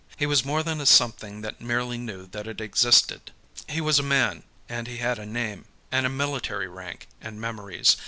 He was more than a something that merely knew that it existed. He was a man, and he had a name, and a military rank, and memories.